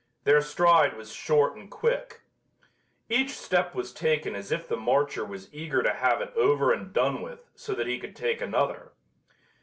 Their stride was short and quick. Each step was taken as if the marcher was eager to have it over and done with so that he could take another.